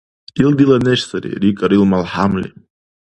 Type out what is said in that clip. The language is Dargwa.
— Ил дила неш сари, — рикӀар ил малхӀямли.